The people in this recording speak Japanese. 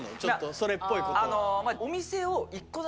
それっぽいこと。